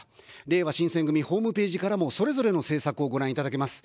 れいわ新選組ホームページからも、それぞれの政策をご覧いただけます。